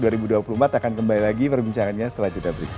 akan kembali lagi perbincangannya setelah jeda berikut